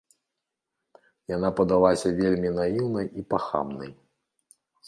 Яна падалася вельмі наіўнай і пахабнай.